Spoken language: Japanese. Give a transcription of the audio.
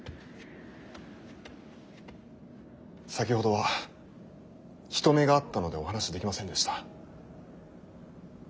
先ほどは人目があったのでお話しできませんでした。